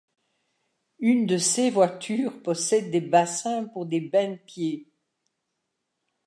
Une de ses voitures possède des bassins pour des bains de pieds.